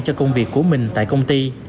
cho công việc của mình tại công ty